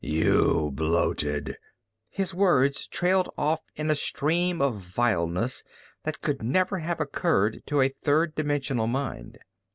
You bloated...." His words trailed off into a stream of vileness that could never have occurred to a third dimensional mind.